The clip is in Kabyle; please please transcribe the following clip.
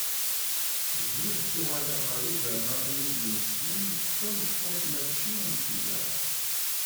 Bdiɣ ttuɣaleɣ ɣer ugama iyi-d-imeslen d tameṭṭut mačči am tiyaḍ.